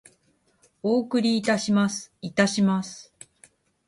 お送りいたします。いたします。